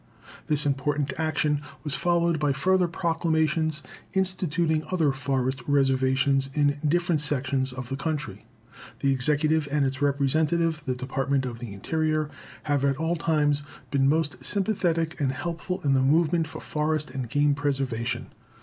This important action was followed by further proclamations, instituting other forest reservations in different sections of the country. The Executive and its representative, the Department of the Interior, have at all times been most sympathetic and helpful in the movement for forest and game preservation.